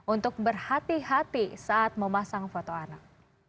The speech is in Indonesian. untuk berhati hati saat memasang foto anak